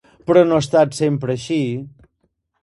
Però no ha estat sempre així.